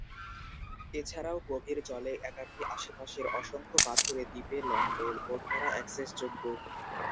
এছাড়াও, গভীর জলে একাকী আশেপাশের অসংখ্য পাথুরে দ্বীপে লং-টেইল বোট দ্বারা অ্যাক্সেসযোগ্য।